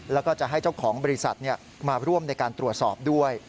แล้วก็จะให้เจ้าของบริษัทมาร่วมในการตรวจสอบด้วย